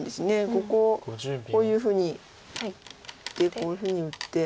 ここをこういうふうに打ってこういうふうに打って。